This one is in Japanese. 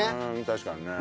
確かにね。